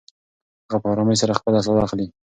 هغه په ارامۍ سره خپله ساه اخلې.